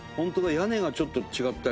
屋根が、ちょっと違ったり。